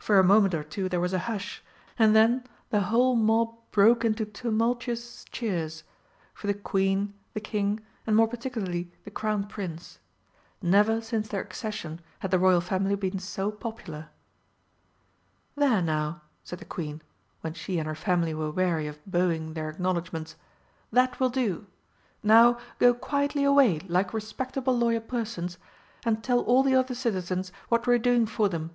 For a moment or two there was a hush, and then the whole mob broke into tumultuous cheers for the Queen, the King, and more particularly the Crown Prince. Never since their accession had the Royal Family been so popular. "There now," said the Queen, when she and her family were weary of bowing their acknowledgments, "that will do. Now go quietly away, like respectable loyal persons, and tell all the other citizens what we're doing for them."